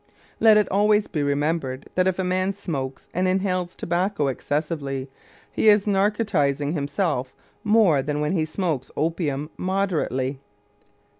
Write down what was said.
Let it always be remembered that if a man smokes and inhales tobacco excessively he is narcotizing himself more than when he smokes opium moderately.